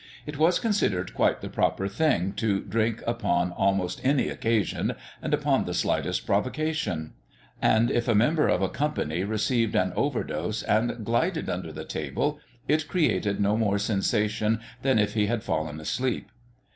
It was considered quite the proper thing to drink upon almost any occasion, and upon the slightest provocation; and, if a member of a company received an overdose and glided under the table, it created no more sensation than if he had fallen asleep.